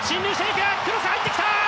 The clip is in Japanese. クロス、入ってきた！